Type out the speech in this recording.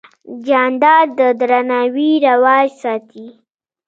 جانداد د درناوي رواج ساتي.